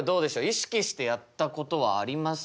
意識してやったことはありますか？